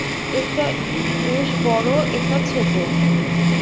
একটা বেশ বড়, একটা ছোট।